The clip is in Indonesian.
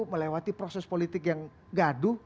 melewati proses politik yang gaduh